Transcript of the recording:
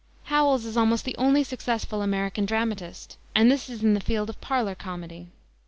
Howells is almost the only successful American dramatist, and this in the field of parlor comedy.